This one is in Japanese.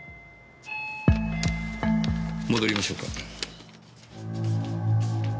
戻りましょうか。